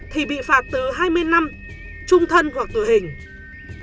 thì bị phạt từ hai mươi năm trung thân hoặc tội hình